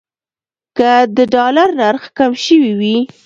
که د ډالر نرخ کم شوی وي.